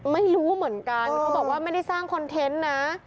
ไม่รู้เหมือนกันเขาบอกว่าไม่ได้สร้างคอนเทนต์นะ